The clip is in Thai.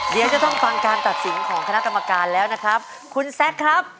เดี๋ยวจะต้องฟังการตัดสินของคณะกรรมการแล้วนะครับ